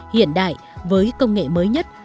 hiện đại với công nghệ mới nhất